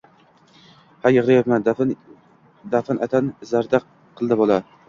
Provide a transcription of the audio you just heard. Ha, yig`layapman, daf`atan zarda qildi bola